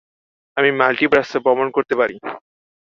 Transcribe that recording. আমি মাল্টিভার্সে ভ্রমণ করতে পারি।